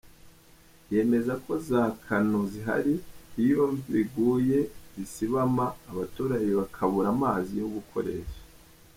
Yemeza ko za caneaux zihari iyo imvura iguye zisibama abaturage bakabura amazi yo gukoresha.